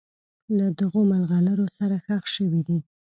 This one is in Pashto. له دغو مرغلرو سره ښخ شوي دي.